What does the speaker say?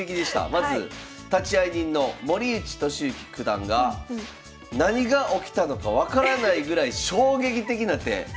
まず立会人の森内俊之九段が「何が起きたのか分からないぐらい衝撃的な手。